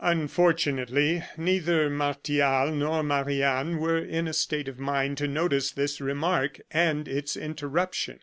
Unfortunately, neither Martial nor Marie Anne were in a state of mind to notice this remark and its interruption.